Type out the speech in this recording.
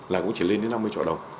là cũng chỉ lên đến năm mươi trọ đồng